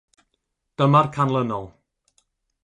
Dyma'r canlynol.